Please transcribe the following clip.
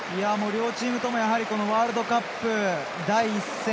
両チームともワールドカップ第１戦。